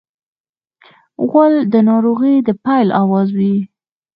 غول د ناروغۍ د پیل اواز وي.